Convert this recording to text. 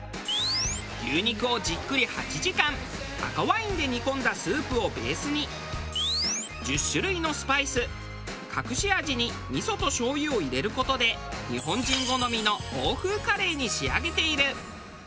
牛肉をじっくり８時間赤ワインで煮込んだスープをベースに１０種類のスパイス隠し味に味噌と醤油を入れる事で日本人好みの欧風カレーに仕上げている。